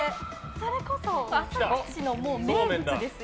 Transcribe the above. それこそ浅口の名物ですよ。